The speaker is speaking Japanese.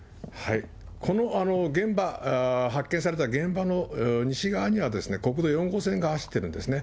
この現場、発見された現場の西側には国道４号線が走ってるんですね。